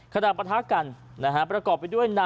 ประทะกันนะฮะประกอบไปด้วย